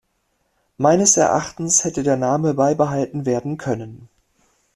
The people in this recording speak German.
Meines Erachtens hätte der Name beibehalten werden können.